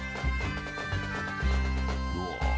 うわ！